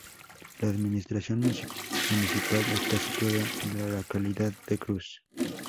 La administración municipal está situado en la localidad de Cruz.